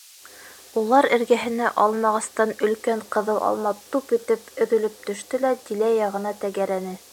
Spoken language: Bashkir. Улар эргәһенә алмағастан өлкән ҡыҙыл алма туп итеп өҙөлөп төштө лә Дилә яғына тәгәрәне.